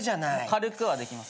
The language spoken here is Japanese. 軽くはできますよ。